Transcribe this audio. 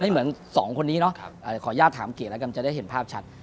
เหมือนสองคนนี้เนาะขออนุญาตถามเก๋แล้วกันจะได้เห็นภาพชัด